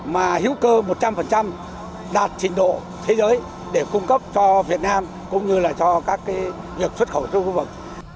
mà hữu cơ một trăm linh đạt trình độ thế giới để cung cấp cho việt nam cũng như là cho các việc xuất khẩu trong khu vực